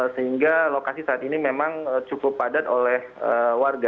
sehingga lokasi saat ini memang cukup padat oleh warga